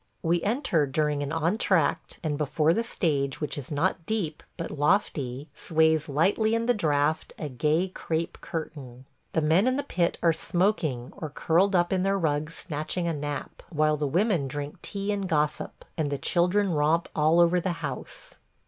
We enter during an entr'acte; and before the stage, which is not deep, but lofty, sways lightly in the draught a gay crape curtain. The men in the pit are smoking or curled up in their rugs snatching a nap, while the women drink tea and gossip, and the children romp all over the house.